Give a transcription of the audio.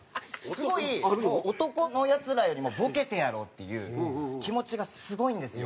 すごい男のヤツらよりもボケてやろうっていう気持ちがすごいんですよ。